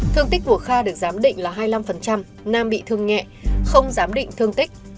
thương tích của kha được giám định là hai mươi năm nam bị thương nhẹ không giám định thương tích